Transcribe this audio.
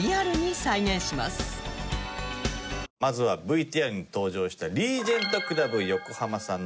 まずはＶＴＲに登場したリージェントクラブ横浜さんの場合です。